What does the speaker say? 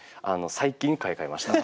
最近買い替えました。